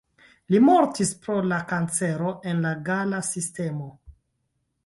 Li mortis pro la kancero en la gala sistemo.